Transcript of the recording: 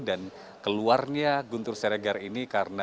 keluarnya guntur siregar ini karena